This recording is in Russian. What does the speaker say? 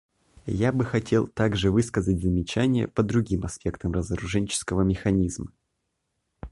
Я хотел бы также высказать замечания по другим аспектам разоруженческого механизма.